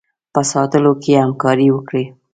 په ساتلو کې همکاري وکړي.